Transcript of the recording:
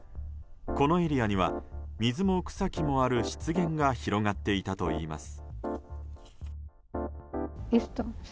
このエリアには水も草木もある湿原が広がっていたといいます。